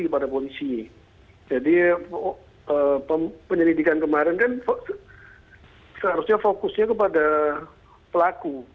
jadi penyelidikan kemarin kan seharusnya fokusnya kepada pelaku